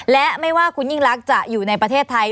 และไม่ว่าคุณยิ่งรักจะอยู่ในประเทศไทย